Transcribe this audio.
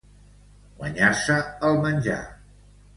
Guanyar-se el menjar.